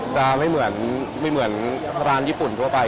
จะไม่เหมือนไม่เหมือนร้านญี่ปุ่นทั่วไป